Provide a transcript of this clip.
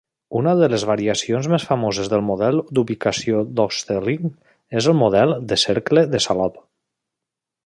Una de les variacions més famoses del model d'ubicació d'Hotelling és el model de cercle de Salop.